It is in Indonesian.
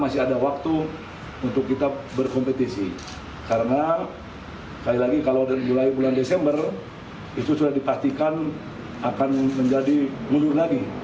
sudah dipastikan akan menjadi mulut lagi